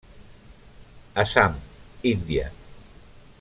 Assam, Índia.